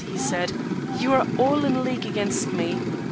he said, "you are all in league against me.